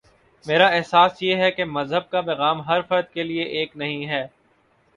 میرا احساس یہ ہے کہ مذہب کا پیغام ہر فرد کے لیے ایک نہیں ہے۔